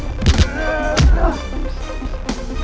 hal itu policymakers semua